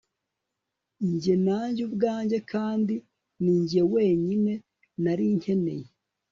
njye, nanjye ubwanjye, kandi ninjye wenyine nari nkeneye